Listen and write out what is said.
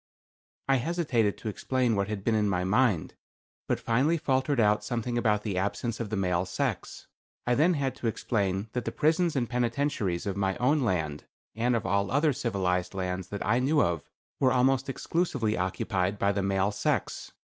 I hesitated to explain what had been in my mind, but finally faltered out something about the absence of the male sex. I then had to explain that the prisons and penitentiaries of my own land, and of all other civilized lands that I knew of, were almost exclusively occupied by the male sex.